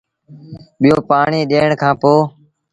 ٻيو پآڻيٚ ڏيٚڻ کآݩ پو